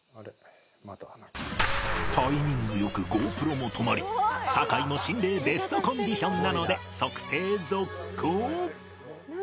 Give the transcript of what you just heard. タイミングよく ＧｏＰｒｏ も止まり酒井の心霊ベストコンディションなので測定続行